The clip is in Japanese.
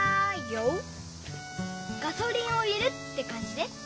ガソリンを入れるってかんじね。